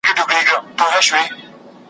ستا په صبر کي بڅری د پېغور دی ,